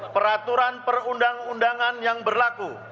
peraturan perundang undangan yang berlaku